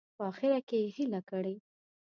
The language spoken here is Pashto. په اخره کې یې هیله کړې.